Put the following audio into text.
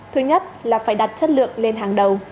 thứ nhất là phải đặt chất lượng lên hàng đầu